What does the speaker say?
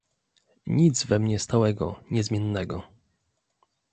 "Nic we mnie stałego, niezmiennego."